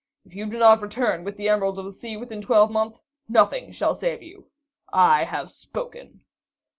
If you do not return with the Emerald of the Sea within a twelvemonth, nothing shall save you. I have spoken."